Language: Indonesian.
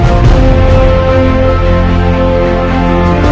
aku akan menang